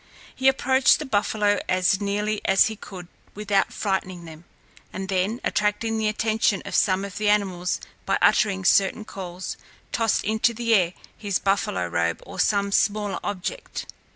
He approached the buffalo as nearly as he could without frightening them, and then, attracting the attention of some of the animals by uttering certain calls, tossed into the air his buffalo robe or some smaller object.